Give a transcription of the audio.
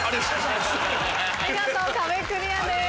見事壁クリアです。